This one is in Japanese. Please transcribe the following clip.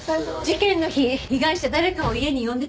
事件の日被害者誰かを家に呼んでたわ。